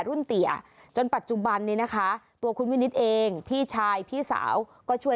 เตี๋ยจนปัจจุบันนี้นะคะตัวคุณวินิตเองพี่ชายพี่สาวก็ช่วย